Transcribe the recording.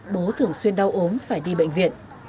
bố thường xuyên đau ốm phải đi bệnh viện